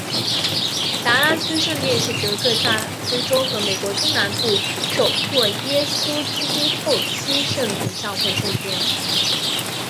达拉斯圣殿是得克萨斯州和美国中南部首座耶稣基督后期圣徒教会圣殿。